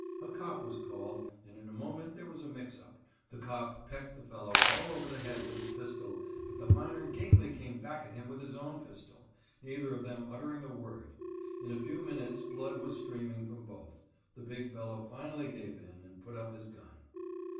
A cop was called and in a moment there was a mix up. The cop pecked the fellow all over the head with his pistol, but the miner gamely came back at him with his own pistol, neither of them uttering a word. In a few minutes blood was streaming from both. The big fellow finally gave in and put up his gun.